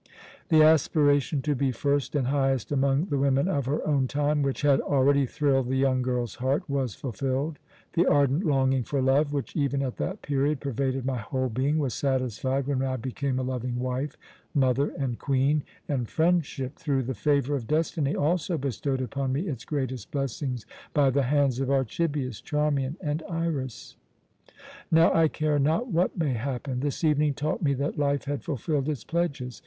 "The aspiration to be first and highest among the women of her own time, which had already thrilled the young girl's heart, was fulfilled. The ardent longing for love which, even at that period, pervaded my whole being, was satisfied when I became a loving wife, mother, and Queen, and friendship, through the favour of Destiny, also bestowed upon me its greatest blessings by the hands of Archibius, Charmian, and Iras. "Now I care not what may happen. This evening taught me that life had fulfilled its pledges.